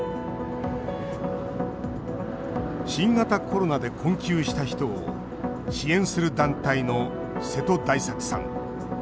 新型コロナで困窮した人を支援する団体の瀬戸大作さん。